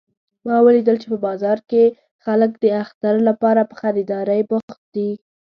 ما ولیدل چې په بازار کې خلک د اختر لپاره په خریدارۍ بوخت دي